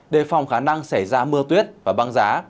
đề phòng khả năng xảy ra mưa tuyết và băng giá